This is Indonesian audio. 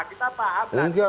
kita paham lah